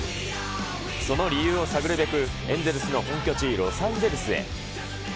その理由を探るべく、エンゼルスの本拠地、ロサンゼルスへ。